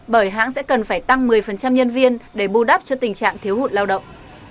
bởi hãng sẽ cần phải tăng một mươi nhân viên để bù đắp cho tình trạng thiếu hụt lao động